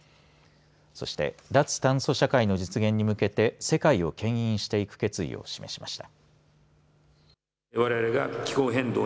そして脱炭素社会の実現に向けて世界をけん引していく決意を示しました。